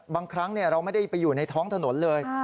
บางครั้งเราไม่ได้ไปอยู่ในท้องถนนเลย